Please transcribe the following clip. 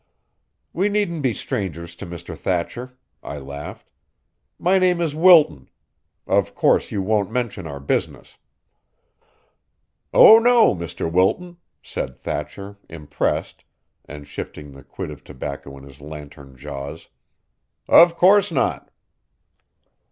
"We needn't be strangers to Mr. Thatcher," I laughed. "My name is Wilton. Of course you won't mention our business." "Oh, no, Mr. Wilton," said Thatcher, impressed, and shifting the quid of tobacco in his lantern jaws. "Of course not."